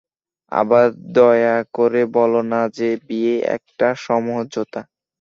আবার দয়া করে বলো না যে, বিয়ে একটি সমঝোতা।